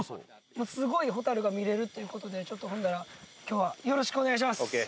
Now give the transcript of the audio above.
すごい蛍が見れるということで、ちょっとほんなら、きょうはよろしくお願いします。